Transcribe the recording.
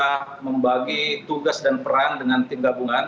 sudah membagi tugas dan perang dengan tim gabungan